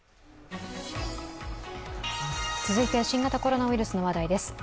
続いて新型コロナウイルスの話題です。